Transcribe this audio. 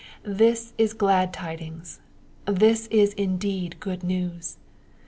This is glad tidings. This is indeed good news.